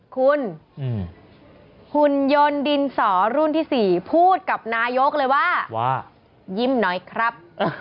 คุณหุ่นยนต์ดินสอรุ่นที่๔พูดกับนายกเลยว่ายิ้มหน่อยครับ